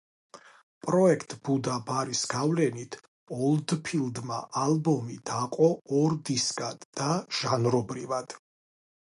პროექტ ბუდა ბარის გავლენით ოლდფილდმა ალბომი დაყო ორ დისკად და ჟანრობრივად.